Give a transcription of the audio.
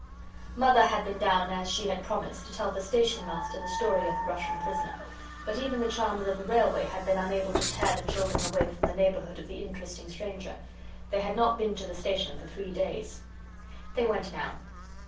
Mother had been down as she had promised to tell the Station Master the story of the Russian Prisoner. But even the charms of the railway had been unable to tear the children away from the neighbourhood of the interesting stranger. So they had not been to the station for three days. They went now.